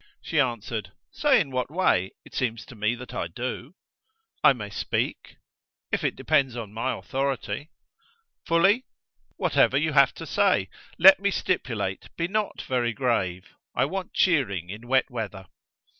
She answered: "Say in what way. It seems to me that I do." "I may speak?" "If it depends on my authority." "Fully?" "Whatever you have to say. Let me stipulate, be not very grave. I want cheering in wet weather."